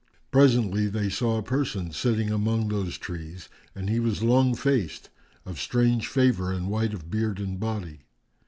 Presently, they saw a person sitting among those trees and he was long faced, of strange favour and white of beard and body.